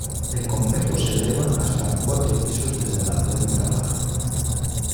El complejo se eleva hasta cuatro pisos desde la planta baja.